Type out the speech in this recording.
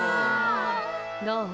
どう？